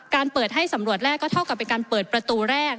เปิดให้สำรวจแรกก็เท่ากับเป็นการเปิดประตูแรก